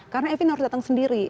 karena evin harus datang sendiri